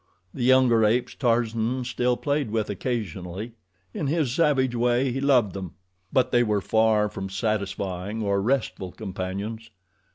The younger apes Tarzan still played with occasionally. In his savage way he loved them; but they were far from satisfying or restful companions.